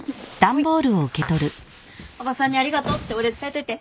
おばさんにありがとうってお礼伝えといて。